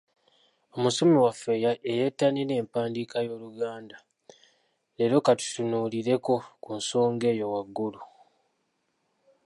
Omusomi waffe eyettanira empandiika y’Oluganda, leero ka tutunuulireko ku nsonga eyo waggulu.